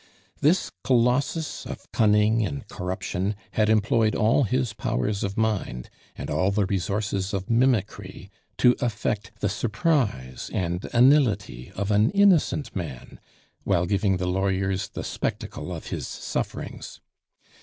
This colossus of cunning and corruption had employed all his powers of mind, and all the resources of mimicry, to affect the surprise and anility of an innocent man, while giving the lawyers the spectacle of his sufferings.